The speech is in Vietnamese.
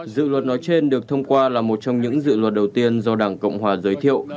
dự luật nói trên được thông qua là một trong những dự luật đầu tiên do đảng cộng hòa giới thiệu